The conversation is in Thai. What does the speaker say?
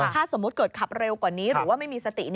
ถ้าสมมุติเกิดขับเร็วกว่านี้หรือว่าไม่มีสติ